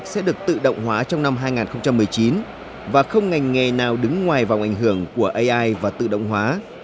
sẽ được tự động hóa trong năm hai nghìn một mươi chín và không ngành nghề nào đứng ngoài vòng ảnh hưởng của ai và tự động hóa